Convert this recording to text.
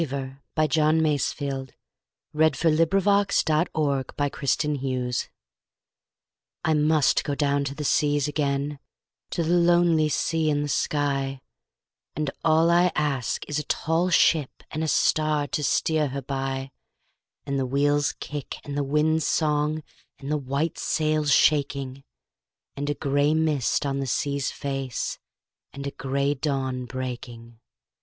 C D . E F . G H . I J . K L . M N . O P . Q R . S T . U V . W X . Y Z Sea Fever I MUST down to the seas again, to the lonely sea and the sky, And all I ask is a tall ship and a star to steer her by, And the wheel's kick and the wind's song and the white sail's shaking, And a gray mist on the sea's face, and a gray dawn breaking.